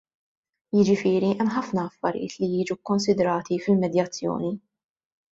Jiġifieri hemm ħafna affarijiet li jiġu kkonsidrati fil-medjazzjoni.